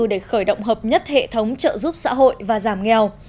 để khởi động hợp nhất hệ thống trợ giúp xã hội và giảm nghèo